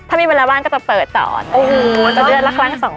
ถ้ามีบรรละว่างก็จะเปิดต่อจะเดือนละครั้ง๒ครั้ง